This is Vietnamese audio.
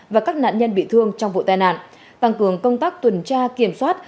và các nạn nhân bị thương trong vụ tai nạn tăng cường công tác tuần tra kiểm soát